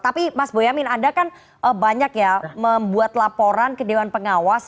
tapi mas boyamin anda kan banyak ya membuat laporan ke dewan pengawas